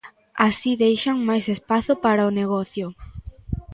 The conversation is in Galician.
Así deixan máis espazo para o negocio.